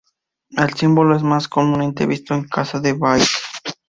El símbolo es más comúnmente visto en casa de Bahá'ís.